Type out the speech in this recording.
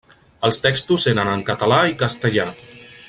Els textos eren en català i castellà.